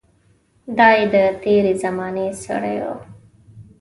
دای د تېرې زمانې سړی و.